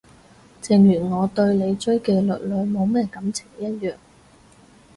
正如我對你追嘅囡囡冇乜感情一樣